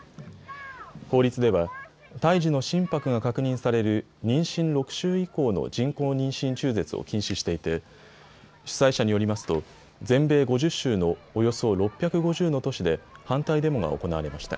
法律では胎児の心拍が確認される妊娠６週以降の人工妊娠中絶を禁止していて主催者によりますと全米５０州のおよそ６５０の都市で反対デモが行われました。